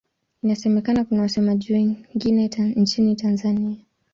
Inasemekana kuna wasemaji wengine nchini Tanzania.